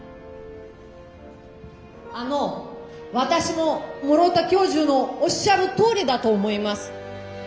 あの私も室田教授のおっしゃるとおりだと思います。